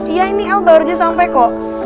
iya ini el baru aja sampai kok